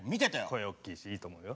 声大きいしいいと思うよ。